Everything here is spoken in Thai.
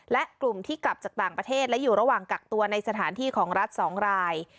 และกลุ่มที่กลับจากต่างประเทศและอยู่ระหว่างกักตัวในสถานที่ของรัฐ๒ราย